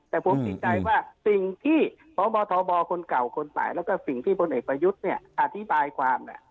แต่ผมติดใจว่าสิ่งที่พบทบคนเก่าคนใหม่แล้วก็สิ่งที่พลเอกประยุทธ์เนี่ยอธิบายความ